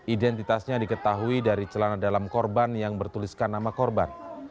identitasnya diketahui dari celana dalam korban yang bertuliskan nama korban